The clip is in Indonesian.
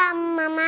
aku kangen sama mama